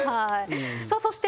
さあそして。